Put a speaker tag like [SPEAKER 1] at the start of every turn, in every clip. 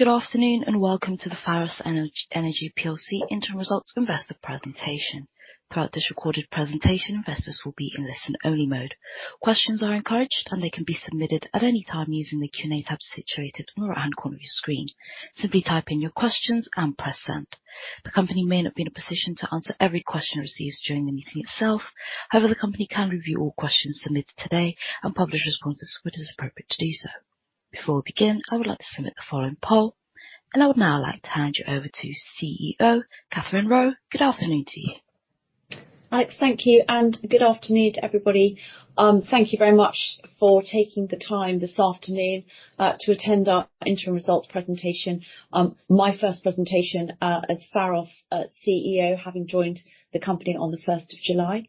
[SPEAKER 1] Good afternoon, and welcome to the Pharos Energy PLC Interim Results Investor Presentation. Throughout this recorded presentation, investors will be in listen-only mode. Questions are encouraged, and they can be submitted at any time using the Q&A tab situated in the right-hand corner of your screen. Simply type in your questions and press Send. The company may not be in a position to answer every question received during the meeting itself. However, the company can review all questions submitted today and publish responses where it is appropriate to do so. Before we begin, I would like to submit the following poll, and I would now like to hand you over to CEO Katherine Roe. Good afternoon to you.
[SPEAKER 2] Alex, thank you, and good afternoon to everybody. Thank you very much for taking the time this afternoon to attend our interim results presentation. My first presentation as Pharos CEO, having joined the company on the first of July.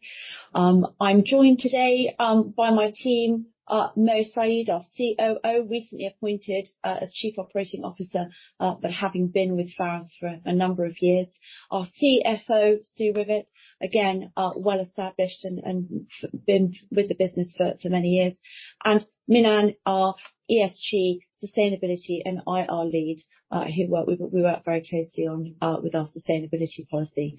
[SPEAKER 2] I'm joined today by my team, Mo Saeed, our COO, recently appointed as Chief Operating Officer, but having been with Pharos for a number of years. Our CFO, Sue Rivett, again, well established and been with the business for many years, and Minh-Anh, our ESG, sustainability, and IR lead, who we work very closely with on our sustainability policy.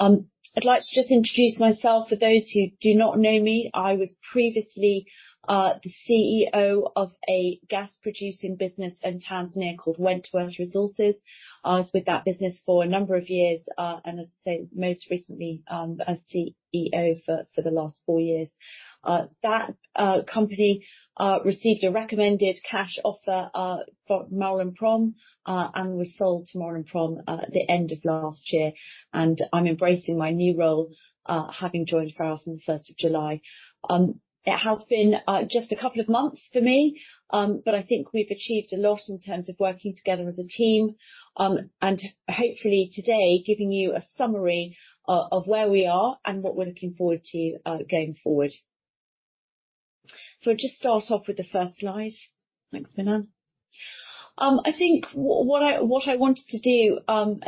[SPEAKER 2] I'd like to just introduce myself. For those who do not know me, I was previously the CEO of a gas-producing business in Tanzania called Wentworth Resources. I was with that business for a number of years, and as I said, most recently, as CEO for the last four years. That company received a recommended cash offer from Maurel & Prom, and was sold to Maurel & Prom at the end of last year, and I'm embracing my new role, having joined Pharos on the first of July. It has been just a couple of months for me, but I think we've achieved a lot in terms of working together as a team. Hopefully today, giving you a summary of where we are and what we're looking forward to, going forward. So just start off with the first slide. Thanks, Minh-Anh. I think what I wanted to do, and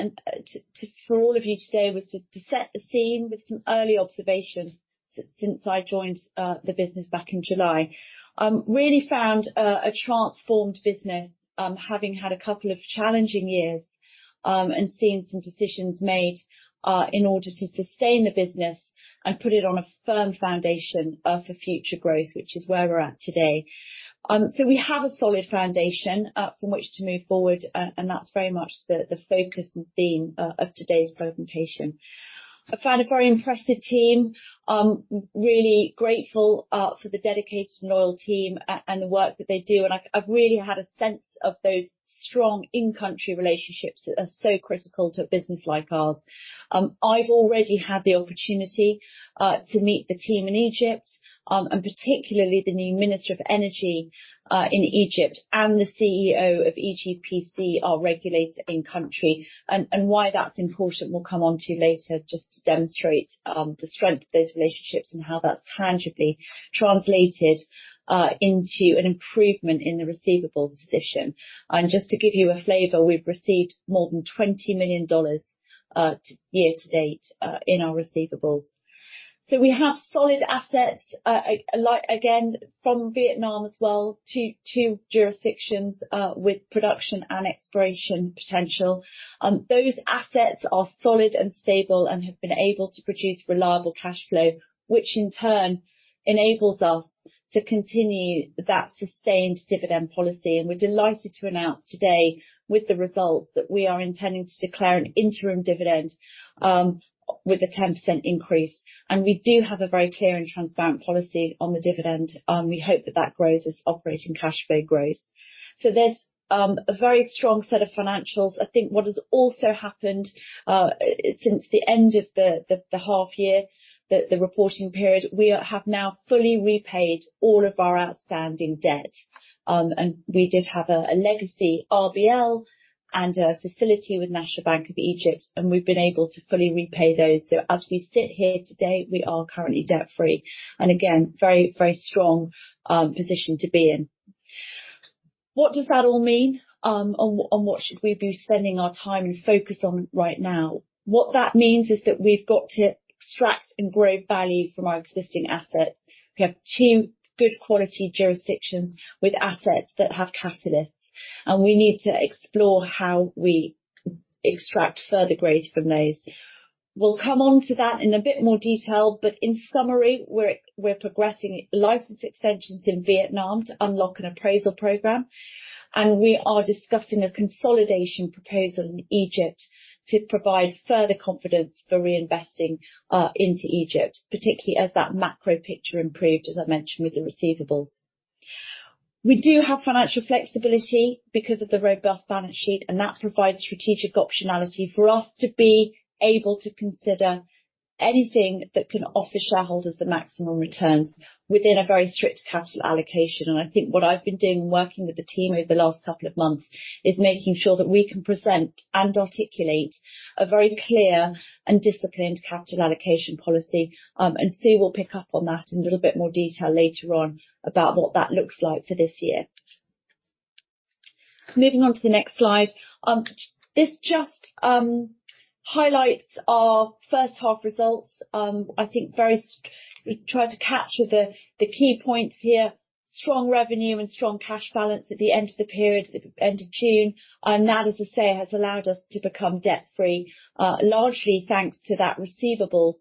[SPEAKER 2] to, for all of you today was to set the scene with some early observations since I joined the business back in July. Really found a transformed business, having had a couple of challenging years, and seen some decisions made in order to sustain the business and put it on a firm foundation for future growth, which is where we're at today, so we have a solid foundation from which to move forward, and that's very much the focus and theme of today's presentation. I found a very impressive team. Really grateful for the dedicated and loyal team and the work that they do, and I've really had a sense of those strong in-country relationships that are so critical to a business like ours. I've already had the opportunity to meet the team in Egypt and particularly the new Minister of Energy in Egypt, and the CEO of EGPC, our regulator in-country. And why that's important, we'll come on to later, just to demonstrate the strength of those relationships and how that's tangibly translated into an improvement in the receivables position. And just to give you a flavor, we've received more than $20 million year to date in our receivables. So we have solid assets, like, again, from Vietnam as well, two jurisdictions with production and exploration potential. Those assets are solid and stable and have been able to produce reliable cash flow, which in turn enables us to continue that sustained dividend policy, and we're delighted to announce today, with the results, that we are intending to declare an interim dividend, with a 10% increase. And we do have a very clear and transparent policy on the dividend. We hope that that grows as operating cash flow grows, so there's a very strong set of financials. I think what has also happened since the end of the half year, the reporting period, we have now fully repaid all of our outstanding debt, and we did have a legacy RBL and a facility with National Bank of Egypt, and we've been able to fully repay those. As we sit here today, we are currently debt-free, and again, very, very strong position to be in. What does that all mean? And what should we be spending our time and focus on right now? What that means is that we've got to extract and grow value from our existing assets. We have two good quality jurisdictions with assets that have catalysts, and we need to explore how we extract further growth from those. We'll come on to that in a bit more detail, but in summary, we're progressing license extensions in Vietnam to unlock an appraisal program, and we are discussing a consolidation proposal in Egypt to provide further confidence for reinvesting into Egypt, particularly as that macro picture improved, as I mentioned, with the receivables. We do have financial flexibility because of the robust balance sheet, and that provides strategic optionality for us to be able to consider anything that can offer shareholders the maximum returns within a very strict capital allocation. I think what I've been doing, working with the team over the last couple of months, is making sure that we can present and articulate a very clear and disciplined capital allocation policy, and Sue will pick up on that in a little bit more detail later on about what that looks like for this year. Moving on to the next slide. This just highlights our first half results. I think try to capture the key points here. Strong revenue and strong cash balance at the end of the period, at the end of June, and that, as I say, has allowed us to become debt-free, largely thanks to that receivables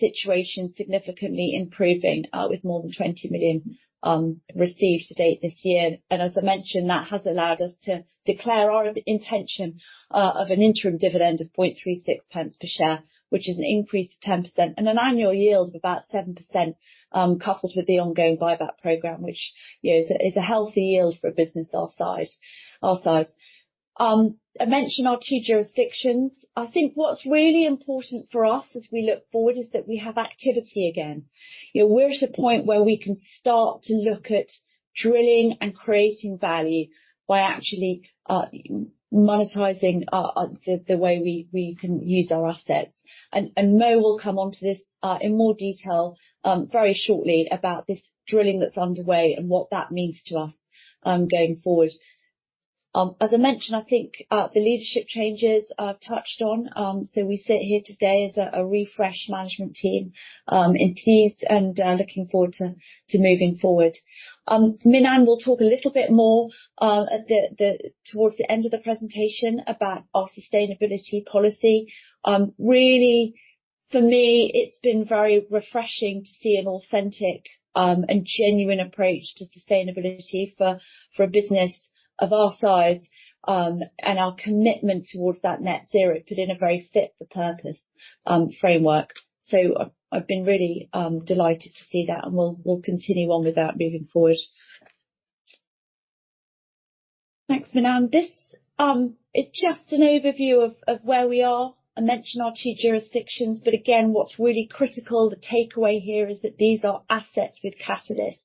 [SPEAKER 2] situation significantly improving, with more than $20 million received to date this year. As I mentioned, that has allowed us to declare our intention of an interim dividend of 0.36 pence per share, which is an increase of 10% and an annual yield of about 7%, coupled with the ongoing buyback program, which, you know, is a healthy yield for a business our size. I mentioned our two jurisdictions. I think what's really important for us as we look forward is that we have activity again. You know, we're at a point where we can start to look at drilling and creating value by actually monetizing the way we can use our assets. And Mo will come onto this in more detail very shortly about this drilling that's underway and what that means to us going forward. As I mentioned, I think the leadership changes I've touched on. So we sit here today as a refreshed management team, I'm pleased and looking forward to moving forward. Minh-Anh will talk a little bit more towards the end of the presentation about our sustainability policy. Really, for me, it's been very refreshing to see an authentic, and genuine approach to sustainability for a business of our size, and our commitment towards that Net Zero put in a very fit for purpose framework. So I've been really delighted to see that, and we'll continue on with that moving forward. Thanks, Minh-Anh. This is just an overview of where we are. I mentioned our two jurisdictions, but again, what's really critical, the takeaway here, is that these are assets with catalysts.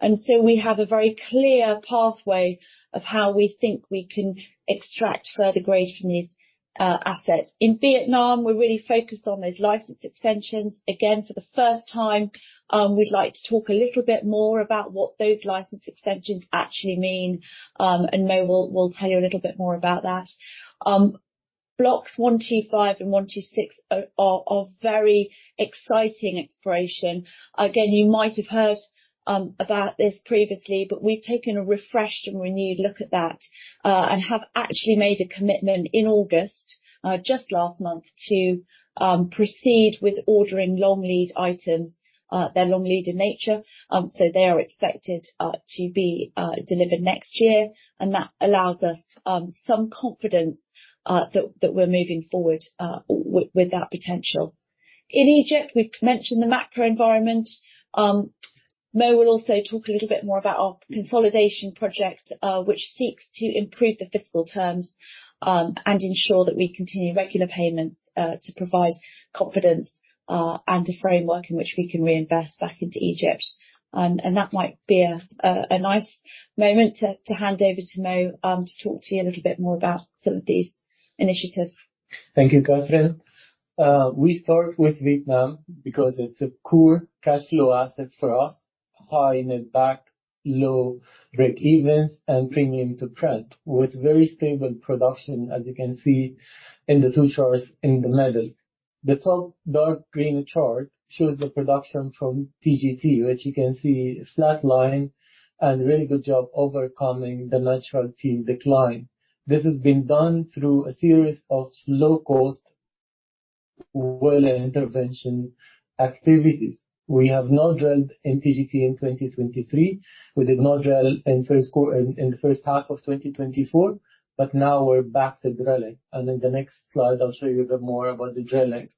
[SPEAKER 2] And so we have a very clear pathway of how we think we can extract further value from these assets. In Vietnam, we're really focused on those license extensions. Again, for the first time, we'd like to talk a little bit more about what those license extensions actually mean, and Mo will tell you a little bit more about that. Blocks 125 and 126 are very exciting exploration. Again, you might have heard about this previously, but we've taken a refreshed and renewed look at that, and have actually made a commitment in August, just last month, to proceed with ordering long lead items. They're long lead in nature, so they are expected to be delivered next year, and that allows us some confidence that we're moving forward with that potential. In Egypt, we've mentioned the macro environment. Mo will also talk a little bit more about our consolidation project, which seeks to improve the fiscal terms, and ensure that we continue regular payments, to provide confidence, and a framework in which we can reinvest back into Egypt. And that might be a nice moment to hand over to Mo, to talk to you a little bit more about some of these initiatives.
[SPEAKER 3] Thank you, Katherine. We start with Vietnam because it's a core cash flow assets for us, high netback, low breakevens, and premium to Brent, with very stable production, as you can see in the two charts in the middle. The top dark green chart shows the production from TGT, which you can see a flat line and really good job overcoming the natural decline. This has been done through a series of low-cost well intervention activities. We have not drilled in TGT in twenty twenty-three. We did not drill in the first half of twenty twenty-four, but now we're back to drilling. And in the next slide, I'll show you a bit more about the drilling.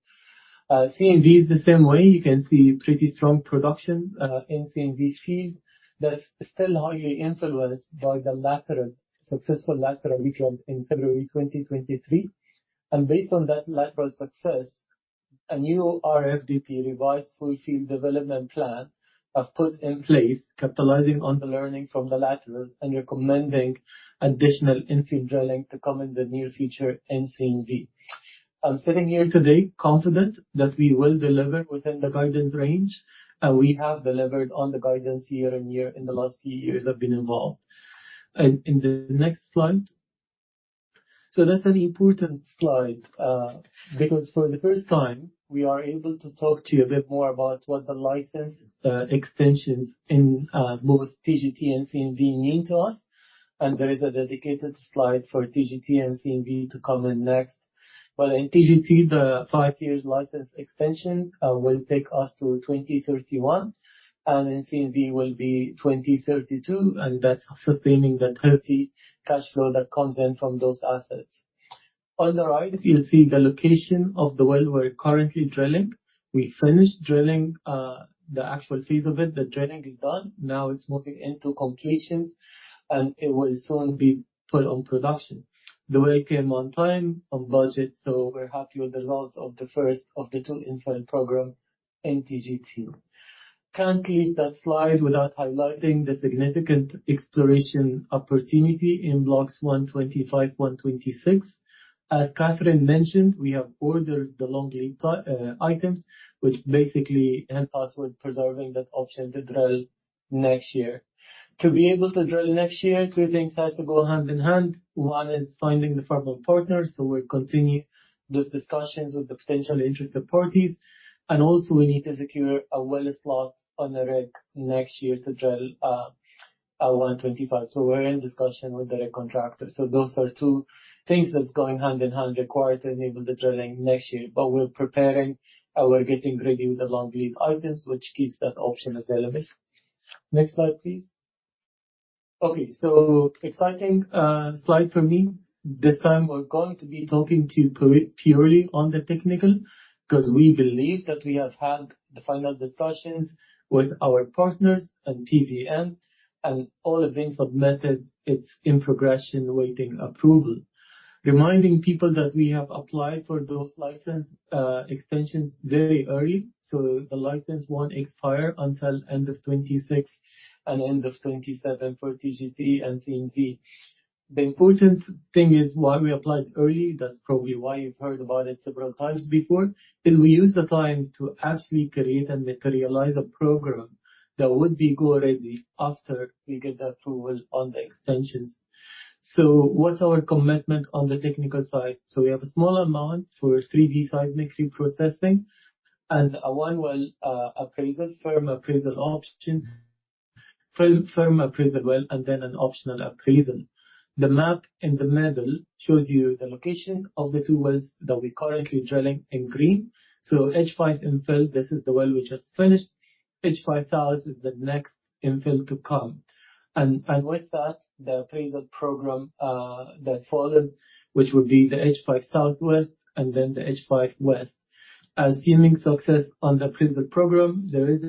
[SPEAKER 3] CNV is the same way. You can see pretty strong production in CNV field, that's still highly influenced by the lateral, successful lateral we drilled in February twenty twenty-three. And based on that lateral success, a new RFDP, Revised Full Field Development Plan, was put in place, capitalizing on the learning from the laterals and recommending additional infill drilling to come in the near future in CNV. I'm sitting here today confident that we will deliver within the guidance range, and we have delivered on the guidance year-on-year in the last few years I've been involved. And in the next slide... So that's an important slide, because for the first time, we are able to talk to you a bit more about what the license extensions in both TGT and CNV mean to us. And there is a dedicated slide for TGT and CNV to come in next. But in TGT, the five years license extension will take us to 2031, and in CNV will be 2032, and that's sustaining the healthy cash flow that comes in from those assets. On the right, you'll see the location of the well we're currently drilling. We finished drilling the actual phase of it. The drilling is done. Now it's moving into completions, and it will soon be put on production. The well came on time, on budget, so we're happy with the results of the first of the two infill program in TGT. Can't leave that slide without highlighting the significant exploration opportunity in Blocks 125, 126. As Katherine mentioned, we have ordered the long lead time items, which basically help us with preserving that option to drill next year. To be able to drill next year, two things has to go hand in hand. One is finding the proper partners, so we'll continue those discussions with the potential interested parties, and also we need to secure a well slot on the rig next year to drill our 125, so we're in discussion with the rig contractor, so those are two things that's going hand in hand required to enable the drilling next year, but we're preparing and we're getting ready with the long lead items, which keeps that option available. Next slide, please. Okay, so exciting slide for me. This time we're going to be talking purely on the technical, 'cause we believe that we have had the final discussions with our partners and PVN, and all have been submitted. It's in progression, waiting approval. Reminding people that we have applied for those license extensions very early, so the license won't expire until end of 2026 and end of 2027 for TGT and CNV. The important thing is why we applied early, that's probably why you've heard about it several times before, is we used the time to actually create and materialize a program that would be go-ready after we get the approval on the extensions. So what's our commitment on the technical side? So we have a small amount for 3D seismic reprocessing and a one well appraisal, firm appraisal option. Firm appraisal well, and then an optional appraisal. The map in the middle shows you the location of the two wells that we're currently drilling in green. So H5 infill, this is the well we just finished. H5 South is the next infill to come. With that, the appraisal program that follows, which would be the H5 Southwest and then the H5 West. Assuming success on the appraisal program, there is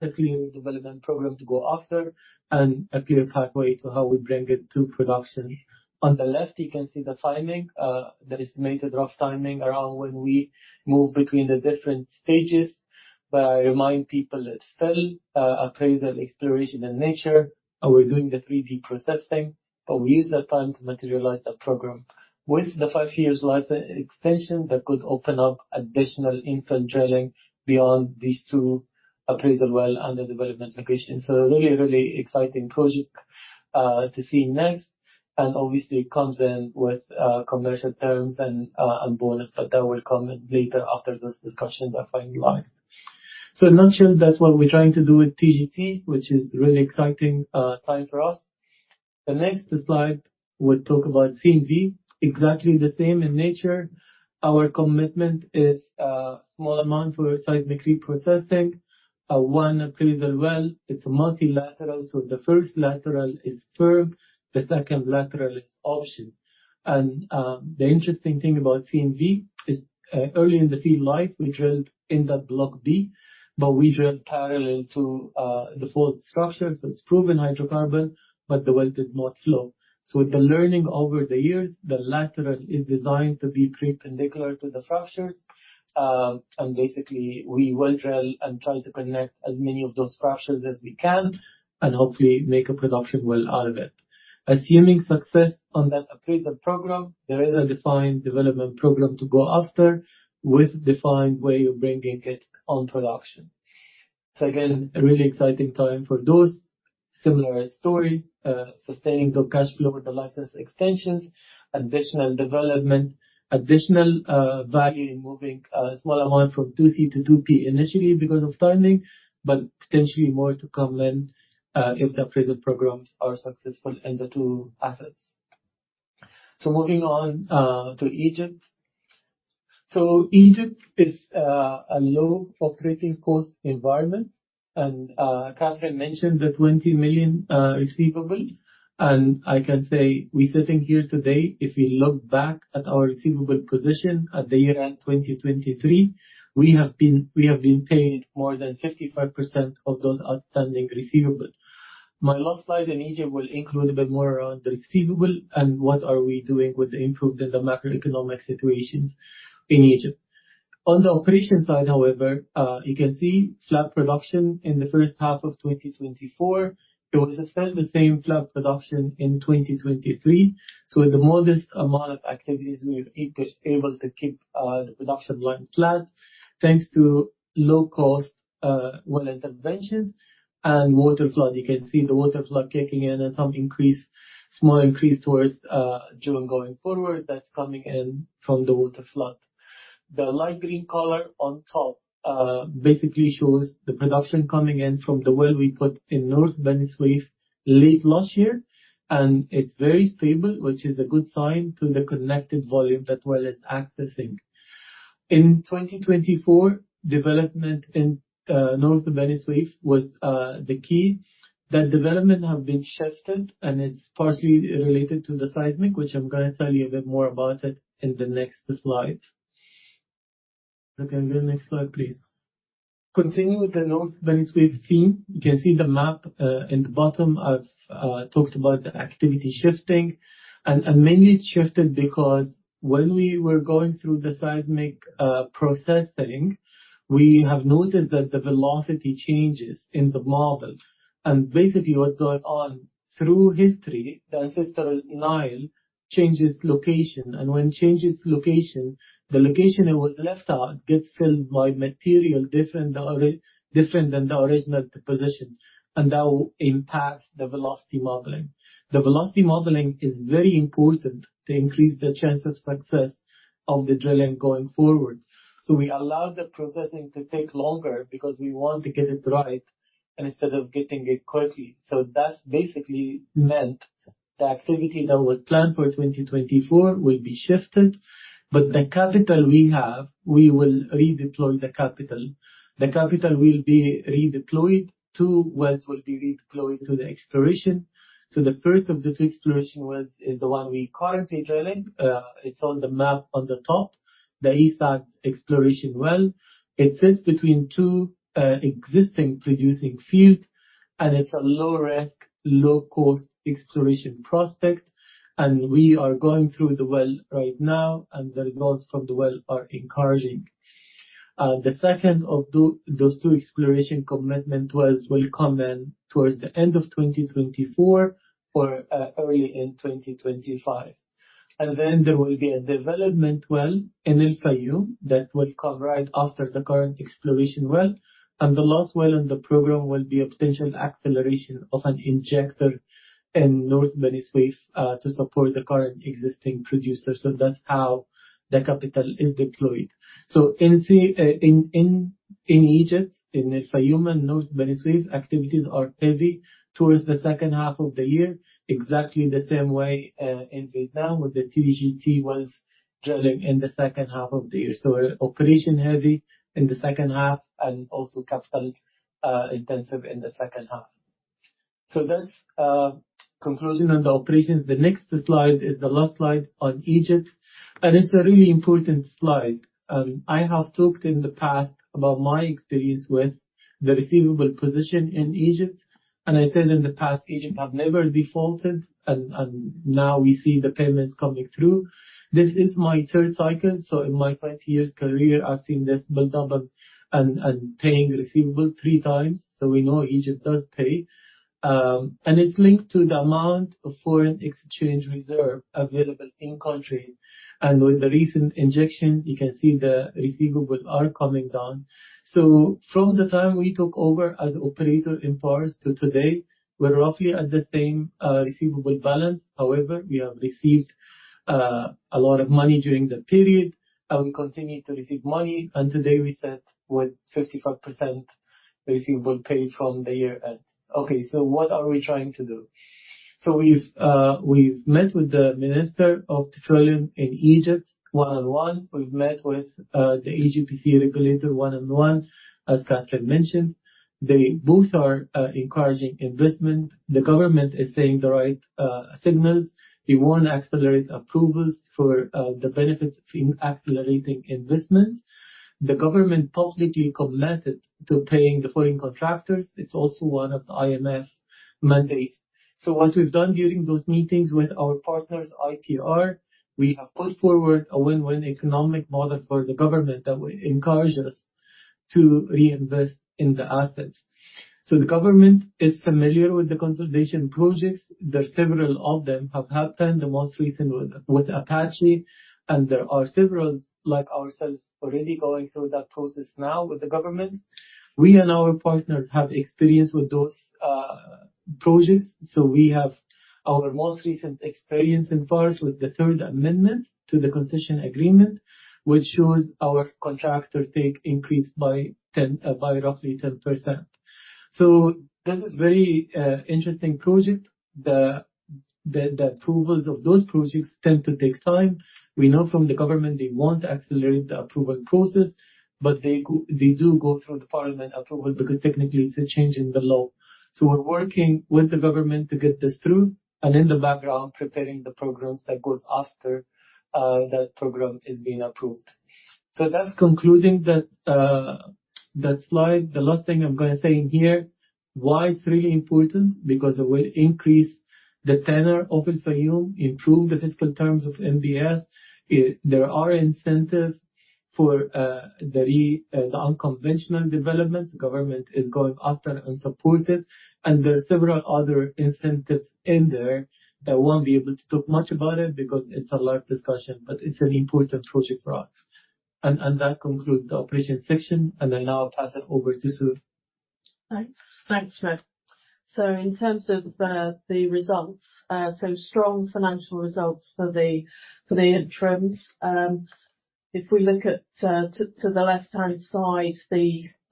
[SPEAKER 3] a clear development program to go after and a clear pathway to how we bring it to production. On the left, you can see the timing. The estimated rough timing around when we move between the different stages. But I remind people it's still appraisal, exploration in nature, and we're doing the 3D processing, but we use that time to materialize the program. With the five years license extension, that could open up additional infill drilling beyond these two appraisal well under development locations. So a really, really exciting project to see next, and obviously comes in with commercial terms and bonus, but that will come later after this discussion that I finalized. So in a nutshell, that's what we're trying to do with TGT, which is really exciting time for us. The next slide will talk about CNV. Exactly the same in nature. Our commitment is a small amount for seismic reprocessing, one appraisal well, it's multilateral, so the first lateral is firm, the second lateral is option. And the interesting thing about CNV is, early in the field life, we drilled in that Block B, but we drilled parallel to the fault structure, so it's proven hydrocarbon, but the well did not flow. So with the learning over the years, the lateral is designed to be perpendicular to the fractures, and basically, we will drill and try to connect as many of those fractures as we can, and hopefully make a production well out of it. Assuming success on that appraisal program, there is a defined development program to go after with defined way of bringing it on production. So again, a really exciting time for those. Similar story, sustaining the cash flow with the license extensions, additional development, additional value in moving a small amount from 2C to 2P initially because of timing, but potentially more to come when, if the appraisal programs are successful in the two assets. Moving on to Egypt. Egypt is a low operating cost environment, and Katherine mentioned the $20 million receivable. And I can say, we're sitting here today, if we look back at our receivable position at the year-end in 2023, we have been paid more than 55% of those outstanding receivables. My last slide in Egypt will include a bit more around the receivable and what are we doing with the improvement in the macroeconomic situations in Egypt. On the operation side, however, you can see flat production in the first half of twenty twenty-four. It was essentially the same flat production in twenty twenty-three. So with the modest amount of activities, we've able to keep the production line flat, thanks to low cost well interventions and waterflood. You can see the waterflood kicking in and some increase, small increase towards June going forward, that's coming in from the waterflood. The light green color on top basically shows the production coming in from the well we put in North Beni Suef late last year, and it's very stable, which is a good sign to the connected volume that well is accessing. In twenty twenty-four, development in North Beni Suef was the key. That development have been shifted, and it's partly related to the seismic, which I'm gonna tell you a bit more about it in the next slide. So can we go next slide, please? Continuing with the North Beni Suef theme, you can see the map in the bottom. I've talked about the activity shifting, and mainly it shifted because when we were going through the seismic processing, we have noticed that the velocity changes in the model. Basically what's going on, through history, the ancestral Nile changes location, and when it changes location, the location it was left out gets filled by material different than the original deposition, and that will impact the velocity modeling. The velocity modeling is very important to increase the chance of success of the drilling going forward. So we allow the processing to take longer because we want to get it right, instead of getting it quickly. So that's basically meant the activity that was planned for 2024 will be shifted, but the capital we have, we will redeploy the capital. The capital will be redeployed, two wells will be redeployed to the exploration. So the first of the two exploration wells is the one we're currently drilling. It's on the map on the top, the East exploration well. It sits between two existing producing fields, and it's a low risk, low cost exploration prospect, and we are going through the well right now, and the results from the well are encouraging. The second of those two exploration commitment wells will come in towards the end of 2024 or early in 2025. Then there will be a development well in El Fayoum that will come right after the current exploration well, and the last well in the program will be a potential acceleration of an injector in North Beni Suef to support the current existing producer. That's how the capital is deployed. In Egypt, in El Fayoum and North Beni Suef, activities are heavy towards the second half of the year. Exactly the same way in Vietnam, with the TGT wells drilling in the second half of the year. Operation heavy in the second half, and also capital intensive in the second half. That's the conclusion on the operations. The next slide is the last slide on Egypt, and it's a really important slide. I have talked in the past about my experience with the receivable position in Egypt, and I said in the past, Egypt have never defaulted, and now we see the payments coming through. This is my third cycle, so in my twenty years career, I've seen this build up and paying receivable three times. So we know Egypt does pay, and it's linked to the amount of foreign exchange reserve available in country, and with the recent injection, you can see the receivables are coming down. So from the time we took over as operator in Pharos to today, we're roughly at the same receivable balance. However, we have received a lot of money during that period, and we continue to receive money, and today we sit with 55% receivable paid from the year end. Okay, so what are we trying to do? So we've met with the Minister of Petroleum in Egypt, one-on-one. We've met with the EGPC regulator, one-on-one. As Katherine mentioned, they both are encouraging investment. The government is saying the right signals. We want to accelerate approvals for the benefits in accelerating investment. The government publicly committed to paying the foreign contractors. It's also one of the IMF mandates. So what we've done during those meetings with our partners, IPR, we have put forward a win-win economic model for the government that will encourage us to reinvest in the assets. So the government is familiar with the consolidation projects. There are several of them have happened, the most recent with Apache, and there are several, like ourselves, already going through that process now with the government. We and our partners have experience with those projects, so we have our most recent experience in Fayoum with the third amendment to the concession agreement, which shows our contractor take increase by roughly 10%. So this is very interesting project. The approvals of those projects tend to take time. We know from the government they want to accelerate the approval process, but they do go through the parliament approval, because technically it's a change in the law. So we're working with the government to get this through, and in the background, preparing the programs that goes after that program is being approved. So that's concluding that slide. The last thing I'm gonna say in here, why it's really important? Because it will increase the tenor of El Fayoum, improve the fiscal terms of NBS. There are incentives for the unconventional developments. The government is going after and support it, and there are several other incentives in there. I won't be able to talk much about it, because it's a large discussion, but it's an important project for us. And that concludes the operations section, and I now pass it over to Sue.
[SPEAKER 4] Thanks. Thanks, Mo. So in terms of the results, strong financial results for the interims. If we look at to the left-hand side,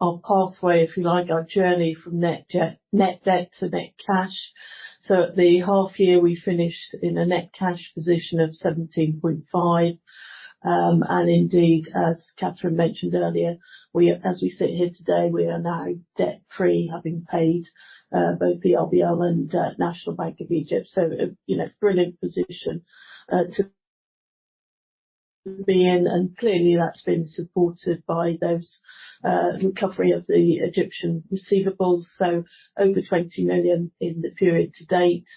[SPEAKER 4] our pathway, if you like, our journey from net debt to net cash. So at the half year, we finished in a net cash position of $17.5 million. And indeed, as Katherine mentioned earlier, as we sit here today, we are now debt-free, having paid both the RBL and National Bank of Egypt. So, you know, brilliant position to be in, and clearly that's been supported by the recovery of the Egyptian receivables. So over $20 million in the period to date.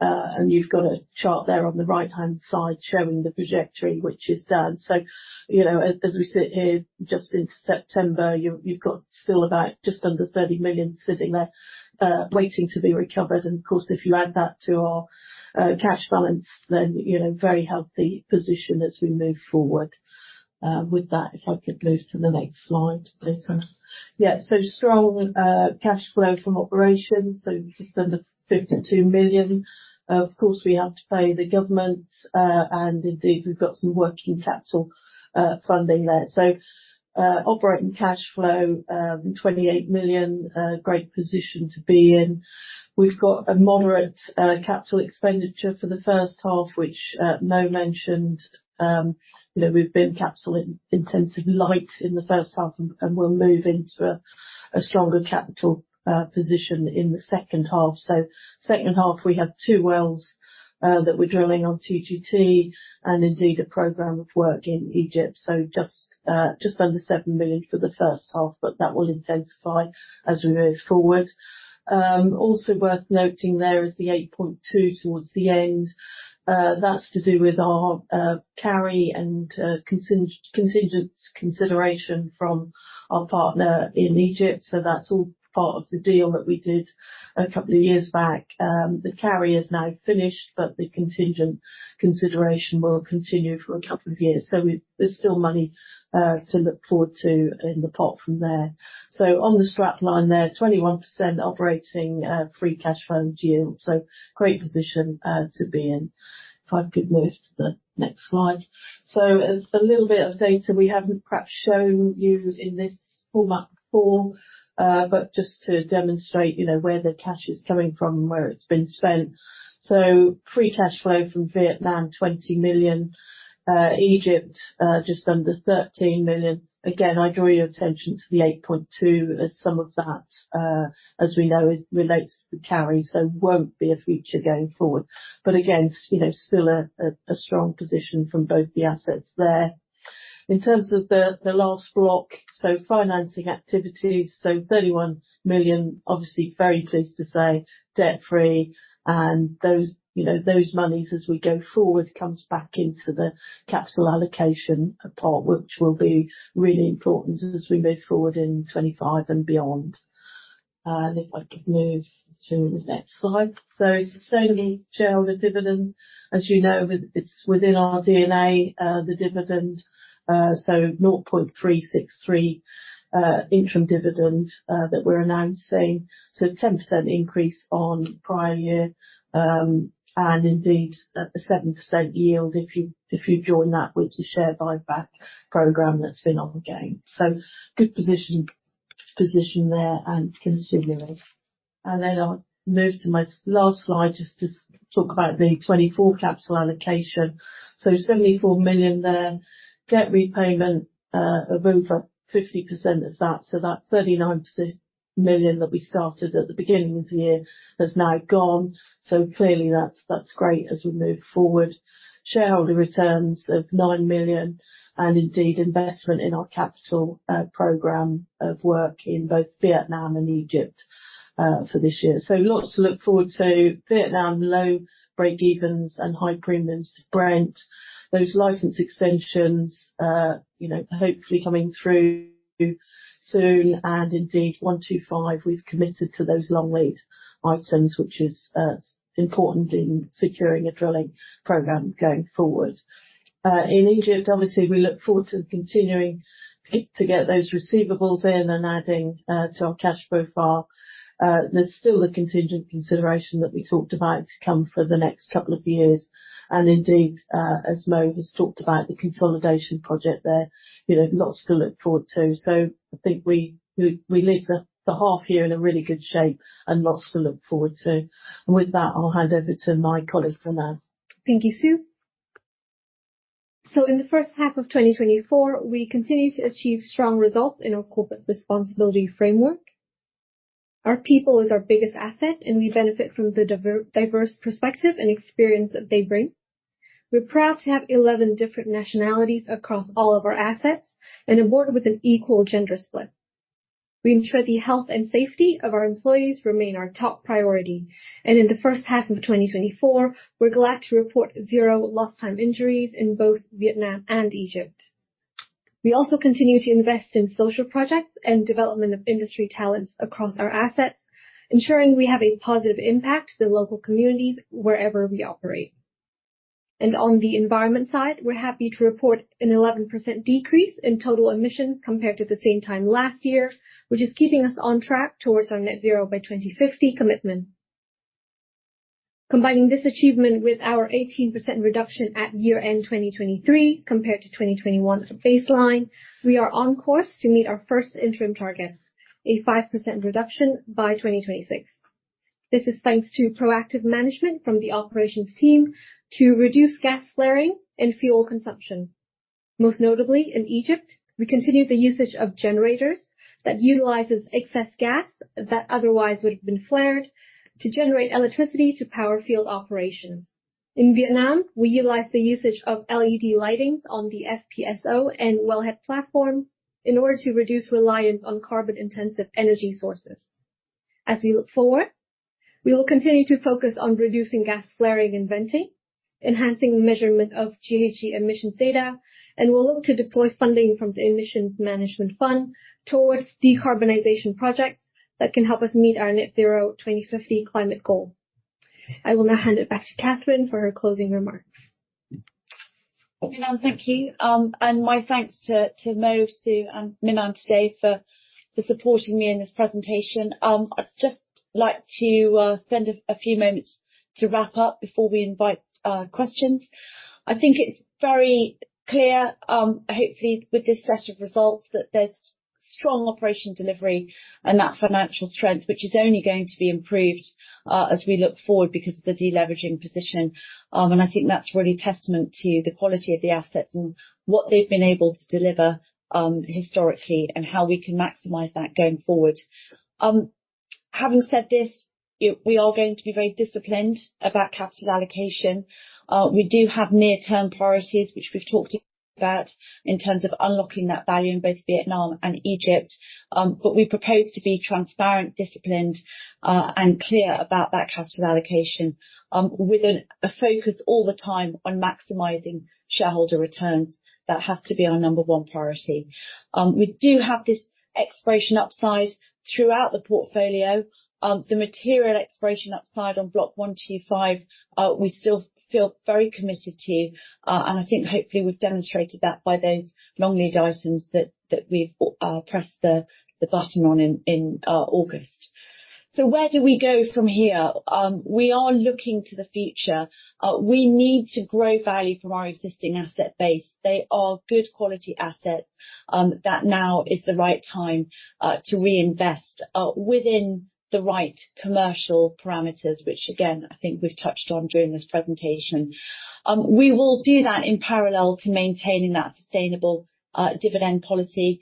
[SPEAKER 4] And you've got a chart there on the right-hand side showing the trajectory, which is done. You know, as we sit here just into September, you've got still about just under $30 million sitting there, waiting to be recovered. And of course, if you add that to our cash balance, then you know very healthy position as we move forward. With that, if I could move to the next slide, please. Yeah, so strong cash flow from operations, so just under $52 million. Of course, we have to pay the government, and indeed, we've got some working capital funding there. So, operating cash flow, $28 million, great position to be in. We've got a moderate capital expenditure for the first half, which Mo mentioned. You know, we've been capital-intensive light in the first half, and we'll move into a stronger capital position in the second half. So second half, we have two wells that we're drilling on TGT, and indeed, a program of work in Egypt. So just under $7 million for the first half, but that will intensify as we move forward. Also worth noting there is the 8.2 towards the end. That's to do with our carry and contingent consideration from our partner in Egypt. So that's all part of the deal that we did a couple of years back. The carry is now finished, but the contingent consideration will continue for a couple of years. So there's still money to look forward to in the pot from there. So on the strap line there, 21% operating free cash flow yield. So great position to be in. If I could move to the next slide. So a little bit of data we haven't perhaps shown you in this format before, but just to demonstrate, you know, where the cash is coming from and where it's been spent. Free cash flow from Vietnam, $20 million. Egypt, just under $13 million. Again, I draw your attention to the $8.2, as some of that, as we know, it relates to the carry, so won't be a feature going forward. But again, you know, still a strong position from both the assets there. In terms of the last block, so financing activities, so $31 million, obviously very pleased to say debt-free. And those, you know, those monies, as we go forward, comes back into the capital allocation pot, which will be really important as we move forward in 2025 and beyond. And if I could move to the next slide. So sustaining shareholder dividend. As you know, it's within our DNA, the dividend. So 0.363 pence interim dividend that we're announcing. So 10% increase on prior year, and indeed, a 7% yield if you join that with the share buyback program that's been ongoing. So good position there and continuing. And then I'll move to my last slide, just to talk about the 2024 capital allocation. So $74 million there. Debt repayment of over 50% of that, so that $39 million that we started at the beginning of the year has now gone. So clearly, that's great as we move forward. Shareholder returns of $9 million, and indeed, investment in our capital program of work in both Vietnam and Egypt for this year, so lots to look forward to. Vietnam, low breakevens and high premiums to Brent. Those license extensions, you know, hopefully coming through soon, and indeed, 125, we've committed to those long-lead items, which is important in securing a drilling program going forward. In Egypt, obviously, we look forward to continuing to get those receivables in and adding to our cash profile. There's still a contingent consideration that we talked about to come for the next couple of years, and indeed, as Mo has talked about, the consolidation project there, you know, lots to look forward to, so I think we leave the half year in a really good shape and lots to look forward to. And with that, I'll hand over to my colleague, Minh-Anh.
[SPEAKER 5] Thank you, Sue. So in the first half of twenty twenty-four, we continued to achieve strong results in our corporate responsibility framework. Our people is our biggest asset, and we benefit from the diverse perspective and experience that they bring. We're proud to have 11 different nationalities across all of our assets and a board with an equal gender split. We ensure the health and safety of our employees remain our top priority. And in the first half of twenty twenty-four, we're glad to report zero lost time injuries in both Vietnam and Egypt. We also continue to invest in social projects and development of industry talents across our assets, ensuring we have a positive impact to the local communities wherever we operate. On the environment side, we're happy to report an 11% decrease in total emissions compared to the same time last year, which is keeping us on track towards our Net Zero by 2050 commitment. Combining this achievement with our 18% reduction at year-end 2023 compared to 2021 baseline, we are on course to meet our first interim target, a 5% reduction by 2026. This is thanks to proactive management from the operations team to reduce gas flaring and fuel consumption. Most notably, in Egypt, we continued the usage of generators that utilizes excess gas that otherwise would have been flared, to generate electricity to power field operations.... In Vietnam, we utilize the usage of LED lighting on the FPSO and wellhead platforms in order to reduce reliance on carbon-intensive energy sources. As we look forward, we will continue to focus on reducing gas flaring and venting, enhancing measurement of GHG emissions data, and we'll look to deploy funding from the Emissions Management Fund towards decarbonization projects that can help us meet our Net Zero 2050 climate goal. I will now hand it back to Katherine for her closing remarks.
[SPEAKER 2] Thank you, and my thanks to Mo, Sue, and Minh-Anh today for supporting me in this presentation. I'd just like to spend a few moments to wrap up before we invite questions. I think it's very clear, hopefully with this set of results, that there's strong operation delivery and that financial strength, which is only going to be improved, as we look forward because of the deleveraging position, and I think that's really testament to the quality of the assets and what they've been able to deliver, historically, and how we can maximize that going forward. Having said this, we are going to be very disciplined about capital allocation. We do have near-term priorities, which we've talked about, in terms of unlocking that value in both Vietnam and Egypt. But we propose to be transparent, disciplined, and clear about that capital allocation, with a focus all the time on maximizing shareholder returns. That has to be our number one priority. We do have this exploration upside throughout the portfolio. The material exploration upside on Block 125, we still feel very committed to, and I think hopefully we've demonstrated that by those long lead items that we've pressed the button on in August. So where do we go from here? We are looking to the future. We need to grow value from our existing asset base. They are good quality assets, that now is the right time to reinvest, within the right commercial parameters, which again, I think we've touched on during this presentation. We will do that in parallel to maintaining that sustainable dividend policy.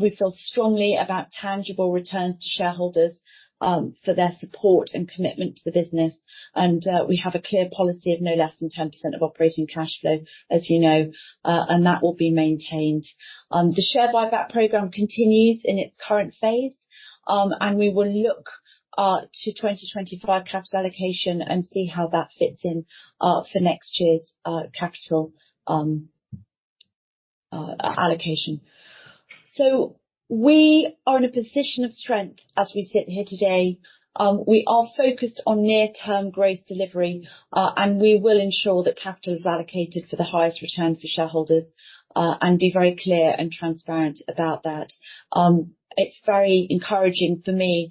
[SPEAKER 2] We feel strongly about tangible returns to shareholders for their support and commitment to the business. We have a clear policy of no less than 10% of operating cash flow, as you know, and that will be maintained. The share buyback program continues in its current phase. We will look to 2025 capital allocation and see how that fits in for next year's capital allocation. We are in a position of strength as we sit here today. We are focused on near-term growth delivery, and we will ensure that capital is allocated for the highest return for shareholders, and be very clear and transparent about that. It's very encouraging for me,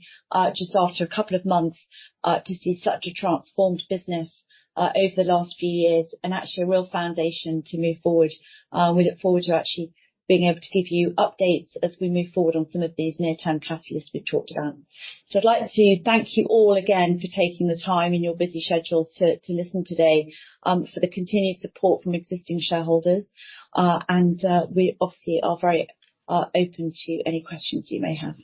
[SPEAKER 2] just after a couple of months, to see such a transformed business over the last few years, and actually a real foundation to move forward. We look forward to actually being able to give you updates as we move forward on some of these near-term catalysts we've talked about. So I'd like to thank you all again for taking the time in your busy schedule to listen today, for the continued support from existing shareholders, and we obviously are very open to any questions you may have.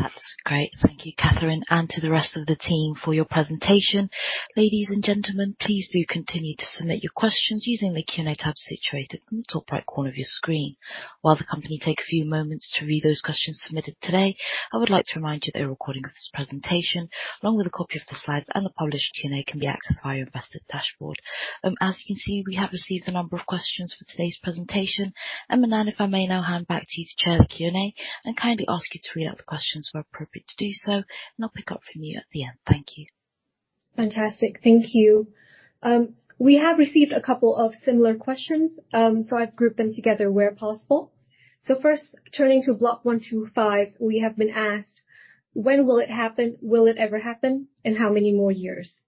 [SPEAKER 1] That's great. Thank you, Katherine, and to the rest of the team for your presentation. Ladies and gentlemen, please do continue to submit your questions using the Q&A tab situated in the top right corner of your screen. While the company take a few moments to read those questions submitted today, I would like to remind you that a recording of this presentation, along with a copy of the slides and the published Q&A, can be accessed via your investor dashboard. As you can see, we have received a number of questions for today's presentation. And, Minh-Anh, if I may now hand back to you to chair the Q&A, and kindly ask you to read out the questions where appropriate to do so, and I'll pick up from you at the end. Thank you.
[SPEAKER 5] Fantastic. Thank you. We have received a couple of similar questions, so I've grouped them together where possible. So first, turning to Block 125, we have been asked: When will it happen? Will it ever happen? And how many more years?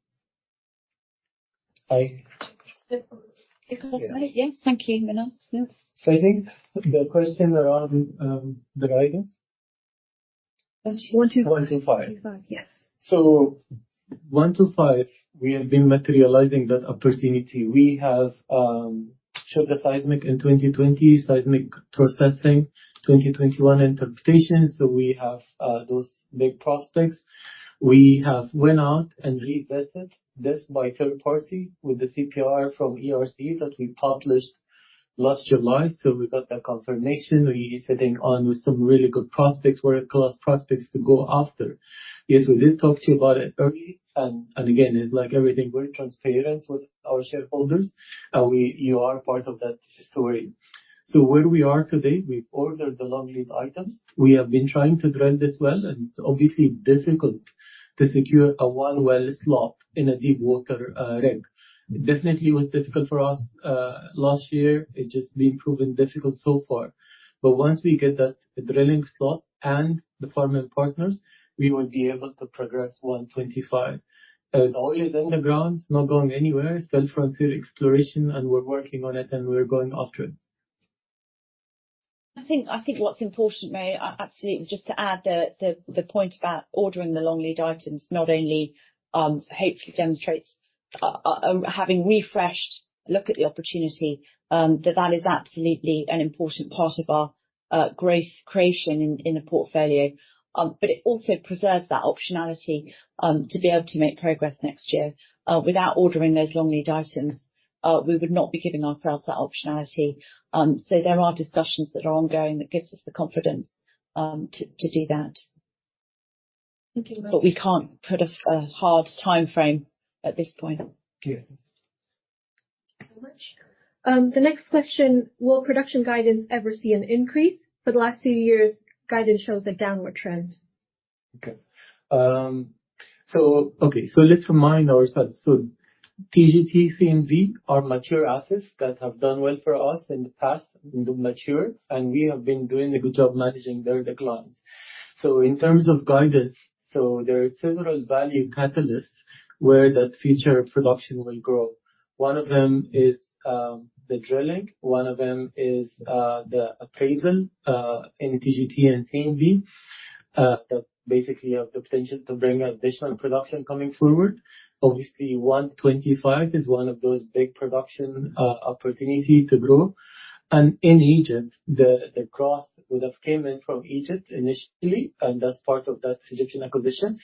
[SPEAKER 2] I-
[SPEAKER 5] Yes. Thank you, Minh-Anh. Yes.
[SPEAKER 3] So I think the question around, the guidance?
[SPEAKER 5] 125.
[SPEAKER 3] 125.
[SPEAKER 5] Yes.
[SPEAKER 3] So 125, we have been materializing that opportunity. We have showed the seismic in 2020, seismic processing, 2021 interpretation, so we have those big prospects. We have went out and retested this by third party with the CPR from ERC, that we published last July. So we got that confirmation. We're sitting on with some really good prospects, world-class prospects to go after. Yes, we did talk to you about it early, and, and again, it's like everything, we're transparent with our shareholders, and we- you are part of that story. So where we are today, we've ordered the long lead items. We have been trying to drill this well, and it's obviously difficult to secure a one well slot in a deep water rig. It definitely was difficult for us last year. It's just been proven difficult so far. But once we get that drilling slot and the farm-in partners, we will be able to progress 125. And oil is in the ground, it's not going anywhere. It's still frontier exploration, and we're working on it, and we're going after it.
[SPEAKER 2] I think what's important, maybe, absolutely, just to add the point about ordering the long lead items. Not only hopefully demonstrates having refreshed look at the opportunity, that is absolutely an important part of our growth creation in a portfolio. But it also preserves that optionality to be able to make progress next year. Without ordering those long-lead items, we would not be giving ourselves that optionality. So there are discussions that are ongoing that gives us the confidence to do that.
[SPEAKER 5] Thank you very-
[SPEAKER 2] But we can't put a hard timeframe at this point.
[SPEAKER 3] Yeah.
[SPEAKER 5] Thank you so much. The next question: Will production guidance ever see an increase? For the last few years, guidance shows a downward trend.
[SPEAKER 3] Okay, so let's remind ourselves. So TGT, CNV are mature assets that have done well for us in the past, and they're mature, and we have been doing a good job managing their declines. So in terms of guidance, there are several value catalysts where that future production will grow. One of them is the drilling, one of them is the appraisal in TGT and CNV that basically have the potential to bring additional production coming forward. Obviously, one twenty-five is one of those big production opportunity to grow, and in Egypt, the growth would have came in from Egypt initially, and that's part of that Egyptian acquisition.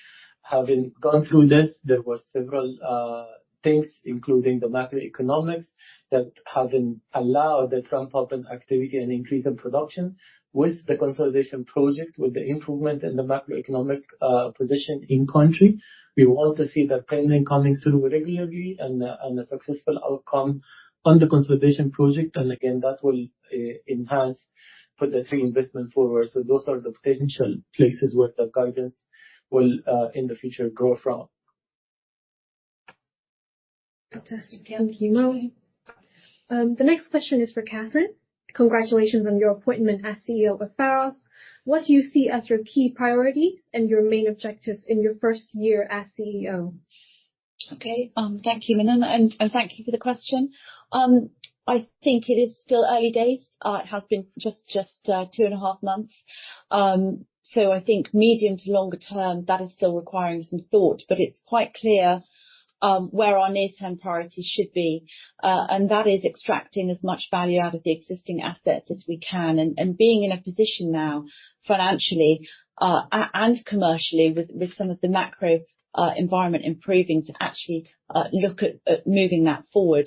[SPEAKER 3] Having gone through this, there were several things, including the macroeconomics, that haven't allowed the ramp-up in activity and increase in production. With the consolidation project, with the improvement in the macroeconomic position in country, we want to see that pending coming through regularly and a successful outcome on the consolidation project. And again, that will enhance for the three investment forward. So those are the potential places where the guidance will in the future, grow from.
[SPEAKER 5] Fantastic. Thank you, Mo. The next question is for Katherine. Congratulations on your appointment as CEO of Pharos. What do you see as your key priorities and your main objectives in your first year as CEO?
[SPEAKER 2] Okay. Thank you, Minh-Anh, and thank you for the question. I think it is still early days. It has been just two and a half months. So I think medium to longer term, that is still requiring some thought, but it's quite clear where our near-term priorities should be, and that is extracting as much value out of the existing assets as we can, and being in a position now, financially and commercially, with some of the macro environment improving, to actually look at moving that forward.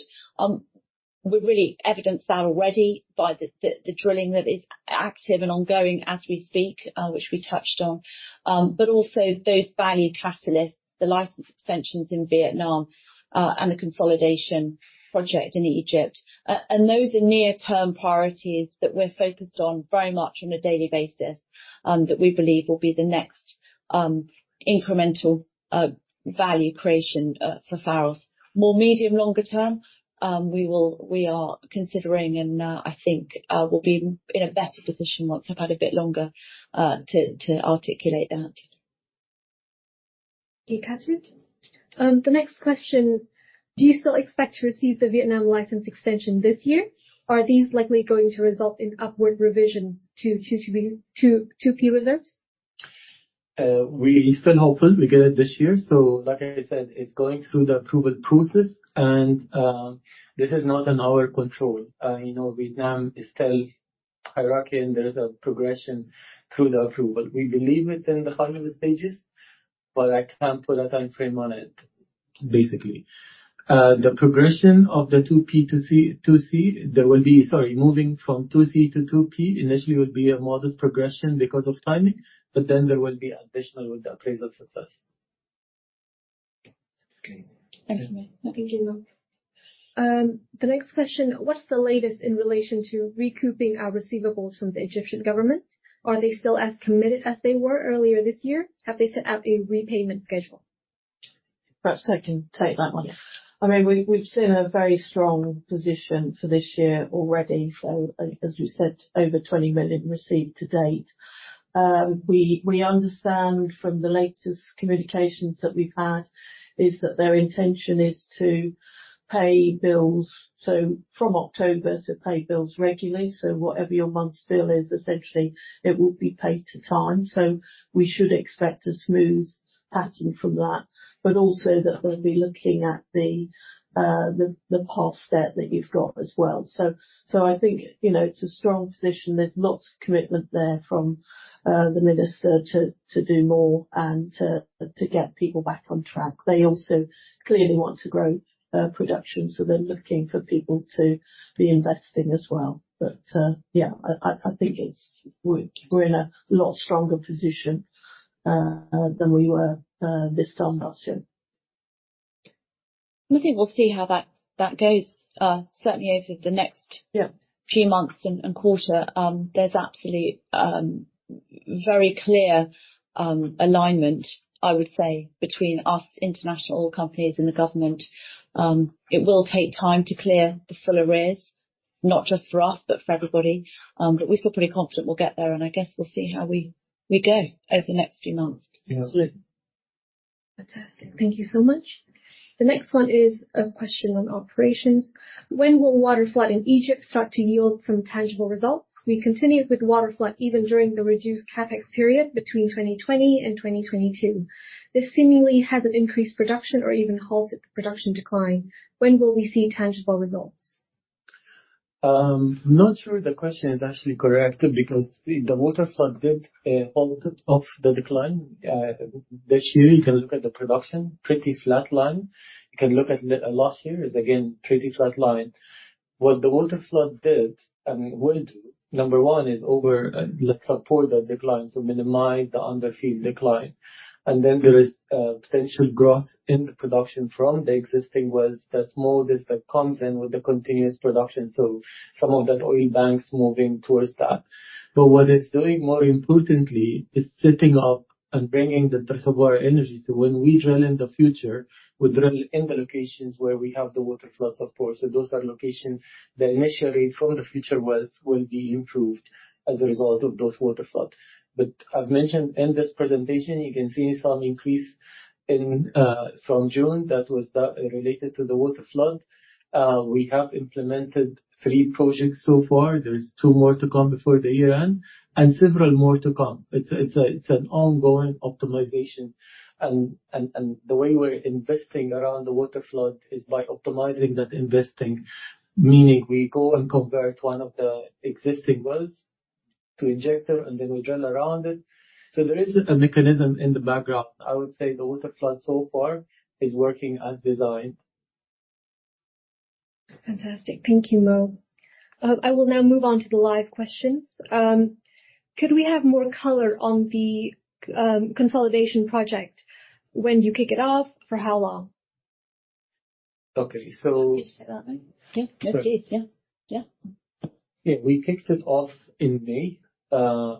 [SPEAKER 2] We've really evidenced that already by the drilling that is active and ongoing as we speak, which we touched on, but also those value catalysts, the license extensions in Vietnam, and the consolidation project in Egypt. And those are near-term priorities that we're focused on very much on a daily basis, that we believe will be the next, incremental, value creation, for Pharos. More medium, longer term, we are considering, and I think, we'll be in a better position once I've had a bit longer, to articulate that.
[SPEAKER 5] Thank you, Katherine. The next question: Do you still expect to receive the Vietnam license extension this year? Are these likely going to result in upward revisions to 2P reserves?
[SPEAKER 3] We're still hopeful we get it this year, so like I said, it's going through the approval process, and this is not in our control. You know, Vietnam is still hierarchical, and there is a progression through the approval. We believe it's in the final stages, but I can't put a timeframe on it, basically. The progression of the 2P to C, 2C, there will be... Sorry, moving from 2C to 2P initially would be a modest progression because of timing, but then there will be additional with the appraisal success.
[SPEAKER 2] Okay.
[SPEAKER 5] Thank you. The next question: What's the latest in relation to recouping our receivables from the Egyptian government? Are they still as committed as they were earlier this year? Have they set out a repayment schedule?
[SPEAKER 4] Perhaps I can take that one.
[SPEAKER 2] Yeah.
[SPEAKER 4] I mean, we've seen a very strong position for this year already, so as we said, over $20 million received to date. We understand from the latest communications that we've had is that their intention is to pay bills, so from October to pay bills regularly. So whatever your month's bill is, essentially, it will be paid on time. So we should expect a smooth pattern from that, but also that they'll be looking at the past debt that you've got as well. So I think, you know, it's a strong position. There's lots of commitment there from the minister to do more and to get people back on track. They also clearly want to grow production, so they're looking for people to be investing as well. But, yeah, I think we're in a lot stronger position than we were this time last year.
[SPEAKER 2] I think we'll see how that goes, certainly over the next-
[SPEAKER 4] Yeah
[SPEAKER 2] Few months and quarter. There's absolutely very clear alignment, I would say, between us, international companies and the government. It will take time to clear the full arrears, not just for us, but for everybody, but we feel pretty confident we'll get there, and I guess we'll see how we go over the next few months.
[SPEAKER 3] Yeah.
[SPEAKER 4] Absolutely.
[SPEAKER 5] Fantastic. Thank you so much. The next one is a question on operations. When will waterflood in Egypt start to yield some tangible results? We continued with waterflood even during the reduced CapEx period between 2020 and 2022. This seemingly hasn't increased production or even halted the production decline. When will we see tangible results? ...
[SPEAKER 3] Not sure the question is actually correct, because the waterflood did halted off the decline. This year, you can look at the production, pretty flat line. You can look at last year, is again, pretty flat line. What the waterflood did and will do, number one, is over, let's support that decline, so minimize the underlying decline. And then, there is potential growth in the production from the existing wells, the small kick that comes in with the continuous production, so some of that oil bank's moving towards that. But what it's doing, more importantly, is setting up and bringing the reservoir energy, so when we drill in the future, we drill in the locations where we have the waterflood support. Those are locations that initially, from the future wells, will be improved as a result of those waterflood. But I've mentioned in this presentation, you can see some increase in from June, that was related to the waterflood. We have implemented three projects so far. There are two more to come before the year end, and several more to come. It's an ongoing optimization. And the way we're investing around the waterflood is by optimizing that investing, meaning we go and convert one of the existing wells to injector, and then we drill around it. So there is a mechanism in the background. I would say, the waterflood so far is working as designed.
[SPEAKER 5] Fantastic. Thank you, Mo. I will now move on to the live questions. Could we have more color on the consolidation project, when you kick it off, for how long?
[SPEAKER 3] Okay, so-
[SPEAKER 2] I can say that, right?
[SPEAKER 5] Yeah. Please, yeah. Yeah.
[SPEAKER 3] Yeah, we kicked it off in May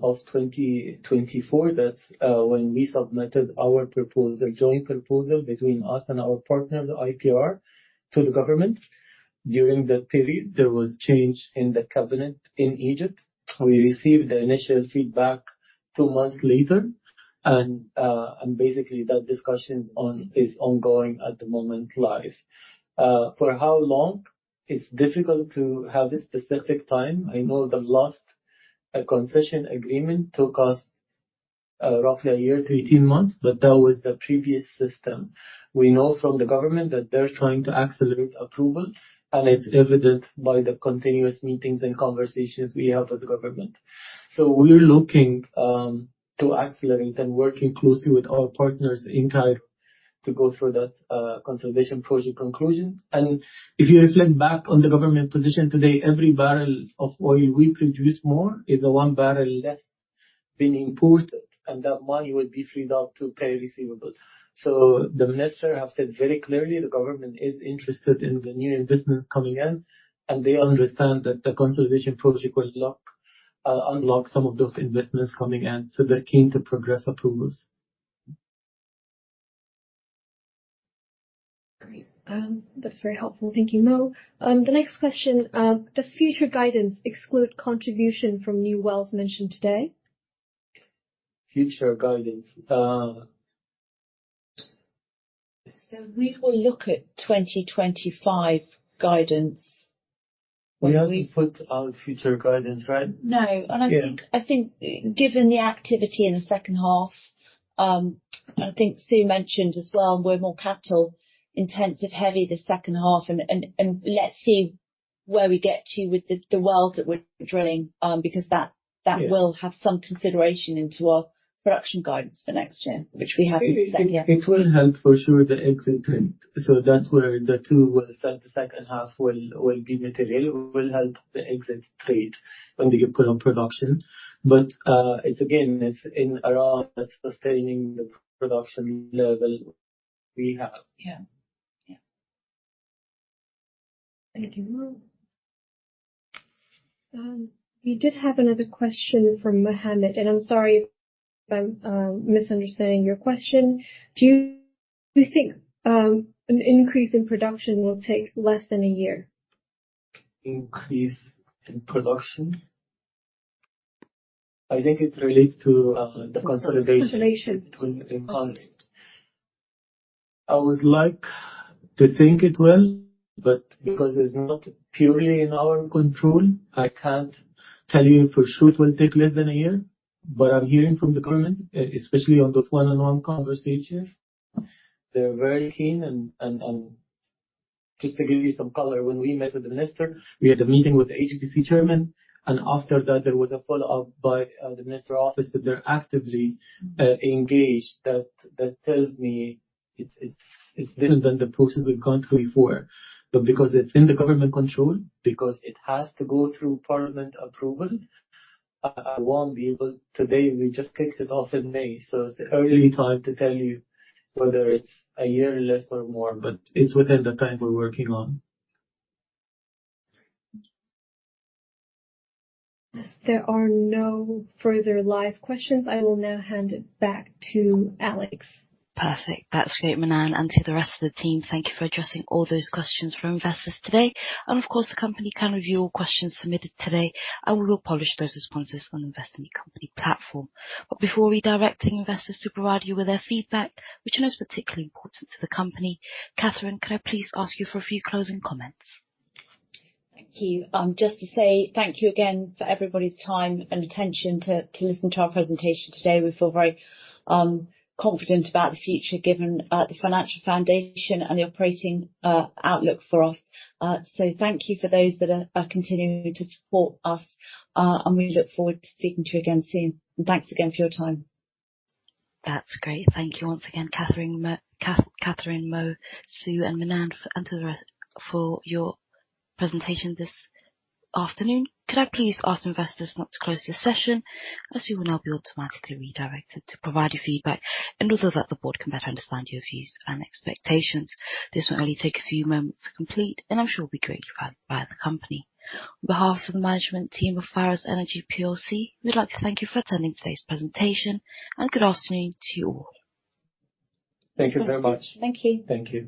[SPEAKER 3] of twenty twenty-four. That's when we submitted our proposal, joint proposal between us and our partners, IPR, to the government. During that period, there was change in the cabinet in Egypt. We received the initial feedback two months later, and basically, that discussion is ongoing at the moment, live. For how long? It's difficult to have a specific time. I know the last concession agreement took us roughly a year to 18 months, but that was the previous system. We know from the government that they're trying to accelerate approval, and it's evident by the continuous meetings and conversations we have with the government. So we're looking to accelerate and working closely with our partners in Cairo to go through that consolidation project conclusion. And if you reflect back on the government position today, every barrel of oil we produce more is one barrel less being imported, and that money will be freed up to pay receivables. So the minister has said very clearly, the government is interested in the new investments coming in, and they understand that the consolidation project will unlock some of those investments coming in, so they're keen to progress approvals.
[SPEAKER 5] Great. That's very helpful. Thank you, Mo. The next question: Does future guidance exclude contribution from new wells mentioned today?
[SPEAKER 3] Future guidance...
[SPEAKER 2] We will look at 2025 guidance.
[SPEAKER 3] We haven't put our future guidance, right?
[SPEAKER 2] No.
[SPEAKER 3] Yeah.
[SPEAKER 2] I think given the activity in the second half, I think Sue mentioned as well, we're more capital intensive heavy the second half. Let's see where we get to with the wells that we're drilling, because that-
[SPEAKER 3] Yeah.
[SPEAKER 2] That will have some consideration into our production guidance for next year, which we have to set, yeah.
[SPEAKER 3] It will help, for sure, the exit rate. So that's where the two wells in the second half will be material, will help the exit rate when we put on production. But, it's again, it's all around sustaining the production level we have.
[SPEAKER 2] Yeah. Yeah.
[SPEAKER 5] Thank you, Mo. We did have another question from Mohammed, and I'm sorry if I'm misunderstanding your question. Do you think an increase in production will take less than a year?
[SPEAKER 3] Increase in production? I think it relates to, the consolidation.
[SPEAKER 2] Consolidation.
[SPEAKER 3] I would like to think it will, but because it's not purely in our control, I can't tell you for sure it will take less than a year. But I'm hearing from the government, especially on those one-on-one conversations, they're very keen. And just to give you some color, when we met with the minister, we had a meeting with the EGPC chairman, and after that, there was a follow-up by the minister's office, that they're actively engaged. That tells me it's different than the process we've gone through before. But because it's in the government control, because it has to go through parliament approval, I won't be able... Today, we just kicked it off in May, so it's early to tell you whether it's a year, less or more, but it's within the time we're working on. There are no further live questions. I will now hand it back to Alex.
[SPEAKER 1] Perfect. That's great, Minh-Anh, and to the rest of the team, thank you for addressing all those questions from investors today, and of course, the company can review all questions submitted today, and we will publish those responses on Investor Meet Company platform, but before redirecting investors to provide you with their feedback, which is particularly important to the company, Katherine, could I please ask you for a few closing comments?
[SPEAKER 2] Thank you. Just to say thank you again for everybody's time and attention to listen to our presentation today. We feel very confident about the future, given the financial foundation and the operating outlook for us. So thank you for those that are continuing to support us, and we look forward to speaking to you again soon. Thanks again for your time.
[SPEAKER 1] That's great. Thank you once again, Katherine, Mo, Sue and Minh-Anh, for and to the rest, for your presentation this afternoon. Could I please ask investors not to close your session, as you will now be automatically redirected to provide your feedback, and also that the board can better understand your views and expectations. This will only take a few moments to complete, and I'm sure it will be greatly valued by the company. On behalf of the management team of Pharos Energy PLC, we'd like to thank you for attending today's presentation, and good afternoon to you all.
[SPEAKER 3] Thank you very much.
[SPEAKER 2] Thank you.
[SPEAKER 3] Thank you.